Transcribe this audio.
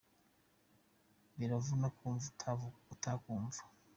biravuna kumva utakumva.